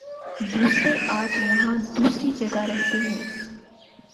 دوسرے آج یہاں دوسری جگہ رہتے ہیں